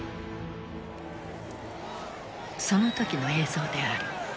その時の映像である。